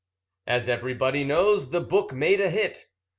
As everybody knows, the book made a hit.